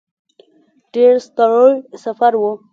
ډېر ستړی سفر و.